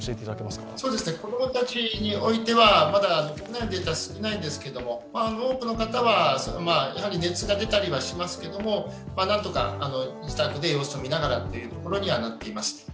子供たちにおいては、まだ国内データは少ないんですけれども、多くの方は熱が出たりしますけれども、何とか自宅で様子を見ながらということにはなっています。